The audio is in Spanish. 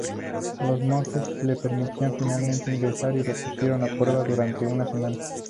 Los monjes le permitieron finalmente ingresar y lo pusieron a prueba durante una semana.